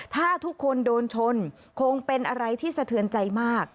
ถ้าทุกคนโดนชนคงเป็นอะไรที่สะเทือนใจมาก